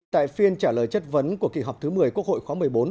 tại phiên trả lời chất vấn của kỳ họp thứ một mươi quốc hội khóa một mươi bốn